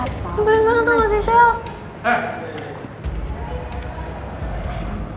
ngebulin banget dong shell